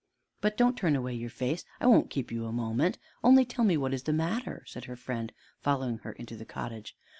"But don't turn away your face; I won't keep you a moment; only tell me what is the matter," said her friend, following her into the cottage.